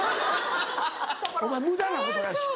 お前無駄なことらしい。